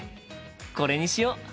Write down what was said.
これにしよう！